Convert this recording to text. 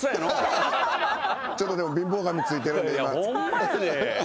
ちょっとでも貧乏神ついてるんで。